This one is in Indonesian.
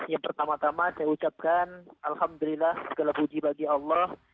yang pertama tama saya ucapkan alhamdulillah segala puji bagi allah